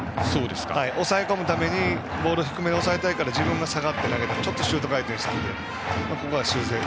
押さえ込むためにボールを低めに押さえたいから自分が下がって投げてちょっとシュート回転して。